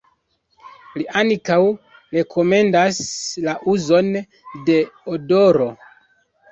Li ankaŭ rekomendas la uzon de odoro.